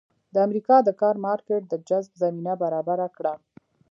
د امریکا د کار مارکېټ د جذب زمینه برابره کړه.